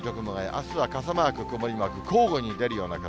あすは傘マーク、曇りマーク、交互に出るような形。